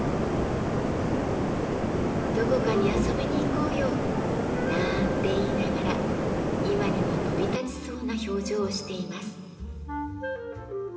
どこかに遊びに行こうよ！なんて言いながら今にも飛び立ちそうな表情をしています。